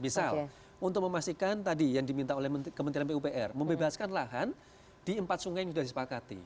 misal untuk memastikan tadi yang diminta oleh kementerian pupr membebaskan lahan di empat sungai yang sudah disepakati